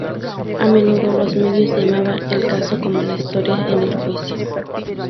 A menudo los medios llamaban el caso como "la historia en el juicio".